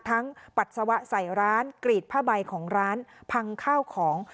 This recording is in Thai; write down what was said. ปัสสาวะใส่ร้านกรีดผ้าใบของร้านพังข้าวของ